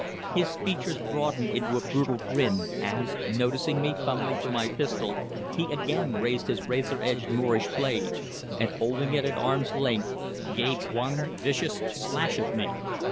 His features broadened into a brutal grin as, noticing me fumbling for my pistol, he again raised his razor edged Moorish blade, and holding it at arm's length, gave one vigorous slash at me.